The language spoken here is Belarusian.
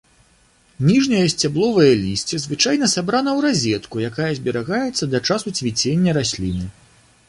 Ніжняе сцябловае лісце звычайна сабрана ў разетку, якая зберагаецца да часу цвіцення расліны.